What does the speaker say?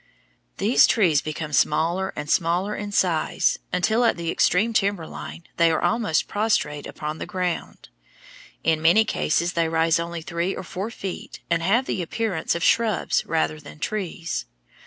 These trees become smaller and smaller in size until at the extreme timber line they are almost prostrate upon the ground. In many cases they rise only three or four feet, and have the appearance of shrubs rather than trees.